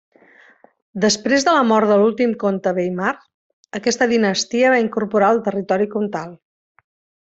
Després de la mort de l'últim comte Weimar aquesta dinastia va incorporar el territori comtal.